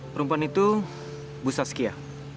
perempuan itu bu saskia